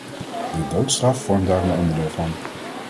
De doodstraf vormt daar een onderdeel van.